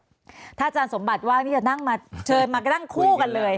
ถ้าอาจารย์สมบัติว่านี่จะนั่งมาเชิญมานั่งคู่กันเลย